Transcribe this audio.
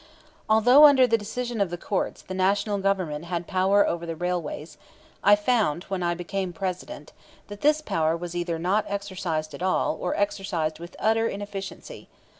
Although under the decision of the courts the National Government had power over the railways, I found, when I became President, that this power was either not exercised at all or exercised with utter inefficiency.